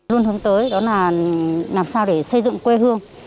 luôn hướng tới đó là làm sao để xây dựng quê hương